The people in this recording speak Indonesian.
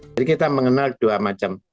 jadi kita mengenal dua macam